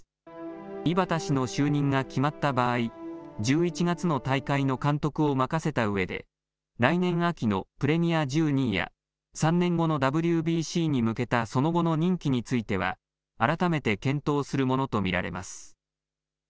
井端氏の就任が決まった場合、１１月の大会の監督を任せたうえで、来年秋のプレミア１２や、３年後のＷＢＣに向けたその後の任期については、改めて検討するものと見られます。